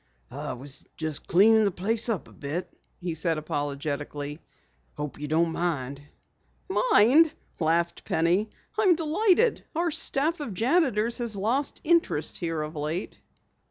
"I was just cleaning the place up a bit," he said apologetically. "Hope you don't mind." "Mind?" laughed Penny. "I'm delighted. Our staff of janitors has lost interest here of late."